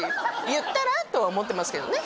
言ったら？とは思ってますけどね